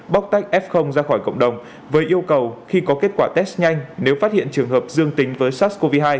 bóc tách f ra khỏi cộng đồng với yêu cầu khi có kết quả test nhanh nếu phát hiện trường hợp dương tính với sars cov hai